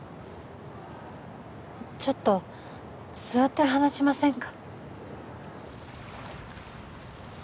ちょっと座って話しませんか？